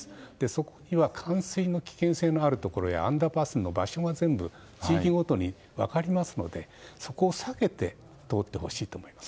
そこには冠水の危険性のあるところやアンダーパスの場所が全部地域ごとに分かりますのでそこを避けて通ってほしいと思います。